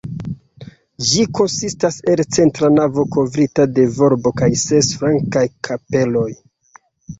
Ĝi konsistas el centra navo kovrita de volbo kaj ses flankaj kapeloj.